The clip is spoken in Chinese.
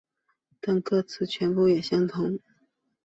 但歌词全部也相同。